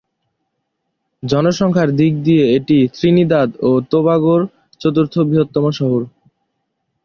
জনসংখ্যার দিক দিয়ে এটি ত্রিনিদাদ ও টোবাগোর চতুর্থ বৃহত্তম শহর।